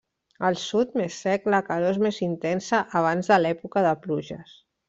Al sud, més sec, la calor és més intensa abans de l'època de pluges.